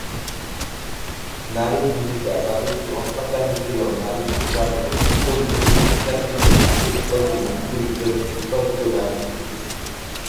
নারীর ভূমিকা, তাদের উপর অত্যাচার-নিপীড়ন, নারীর সংগ্রাম এবং শেষ পর্যন্ত পিতৃতান্ত্রিক ঐতিহ্যের শিকল থেকে মুক্তির বিজয়কে প্রতিপাদ্য করে নাটকটি রচিত।